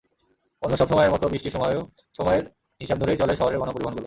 অন্যসব সময়ের মতো বৃষ্টির সময়েও সময়ের হিসাব ধরেই চলে শহরের গণপরিবহনগুলো।